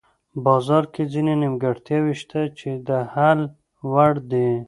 بازار کې ځینې نیمګړتیاوې شته چې د حل وړ دي.